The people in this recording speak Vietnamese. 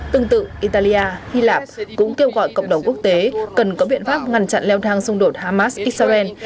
tương tự italia hy lạp cũng kêu gọi cộng đồng quốc tế cần có biện pháp ngăn chặn leo thang xung đột hamas israel